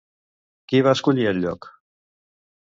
Qui va escollir el lloc?